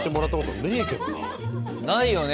ないよね